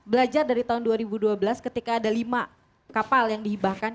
belajar dari tahun dua ribu dua belas ketika ada lima kapal yang dihibahkan